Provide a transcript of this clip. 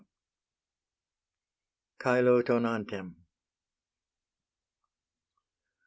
V. CAELO TONANTEM.